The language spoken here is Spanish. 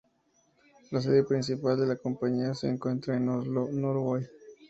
La sede principal de la compañía se encuentra en Oslo, Norway.